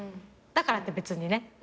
だからって別にね